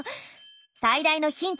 最大のヒント